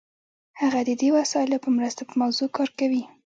هغه د دې وسایلو په مرسته په موضوع کار کوي.